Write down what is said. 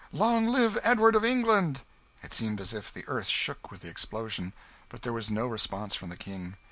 "Long live Edward of England!" It seemed as if the earth shook with the explosion; but there was no response from the King.